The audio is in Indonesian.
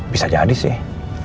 bisa jadi sih